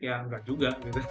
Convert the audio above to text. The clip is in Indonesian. ya nggak juga